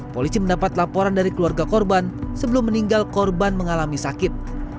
polisi mendapat laporan dari keluarga korban sebelum meninggal korban mengalami sakit